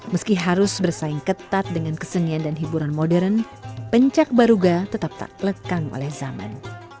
meski harus bersaing ketat dengan kesenian dan hiburan modern pencak baruga tetap tak lekang oleh zaman